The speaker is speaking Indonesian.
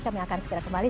kami akan segera kembali